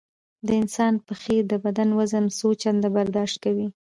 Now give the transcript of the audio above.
د انسان پښې د بدن وزن څو چنده برداشت کوي.